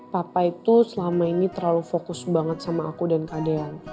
papa itu selama ini terlalu fokus banget sama aku dan kak dean